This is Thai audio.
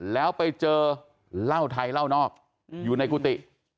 แล้วไปเจอเหล้าไทยเหล้านอกอยู่ในกุฏิ